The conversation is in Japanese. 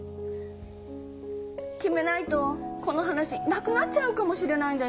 決めないとこの話なくなっちゃうかもしれないんだよ。